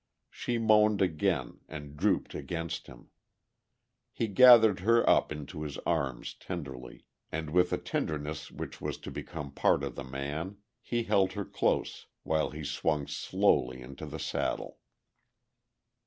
She moaned again and drooped against him. He gathered her up into his arms tenderly. And with a tenderness which was to become part of the man, he held her close while he swung slowly into the saddle.